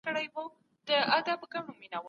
د هغو خلکو چي په وسع ئې نه وي پوره